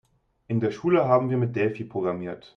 In der Schule haben wir mit Delphi programmiert.